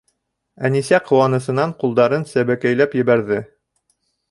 Әнисә ҡыуанысынан ҡулдарын сәбәкәйләп ебәрҙе.